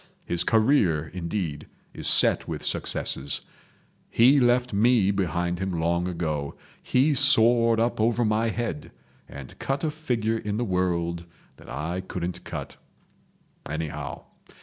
His career, indeed, is set with successes. He left me behind him long ago; he soared up over my head, and cut a figure in the world that I couldn't cut—anyhow.